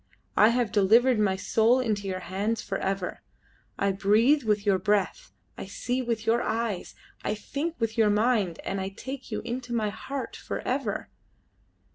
I have delivered my soul into your hands for ever; I breathe with your breath, I see with your eyes, I think with your mind, and I take you into my heart for ever."